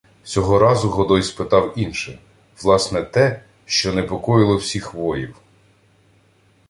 Сього разу Годой спитав інше: власне, те, що непокоїло всіх воїв.